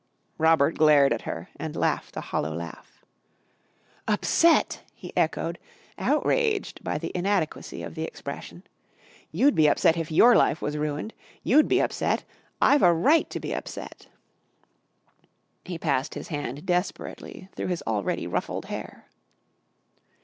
Robert glared at her and laughed a hollow laugh. "Upset!" he echoed, outraged by the inadequacy of the expression. "You'd be upset if your life was ruined. You'd be upset. I've a right to be upset." He passed his hand desperately through his already ruffled hair.